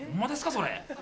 それ。